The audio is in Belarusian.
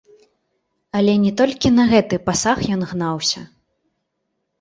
Але не толькі на гэты пасаг ён гнаўся.